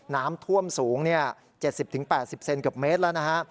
น้ำท่วมสูง๗๐๘๐เซนเกือบเมตรแล้วนะฮะ